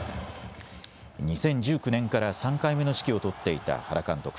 ２０１９年から３回目の指揮を執っていた原監督。